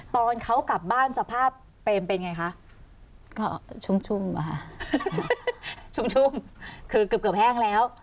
ตอนเขากลับบ้านสภาพเตมเป็นไงคะก็ชุ่มบ้างชุ่มคือเกือบแห้งแล้ว